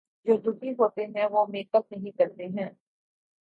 جو دکھی ھوتے ہیں وہ میک اپ نہیں کرتے ہیں